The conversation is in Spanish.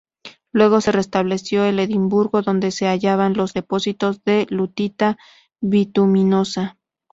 Luego se restableció en Edinburgo donde se hallaban los depósitos de lutita bituminosa.